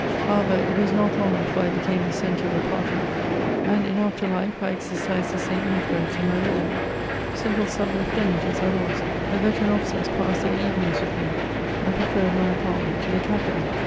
However, it was not long before I became the centre of a party, and, in after life, I exercised the same influence in my regiment ; simple sub Ueutenant as I was, the veteran officers passed their evenings with me, and preferred my apartment to the caf(^.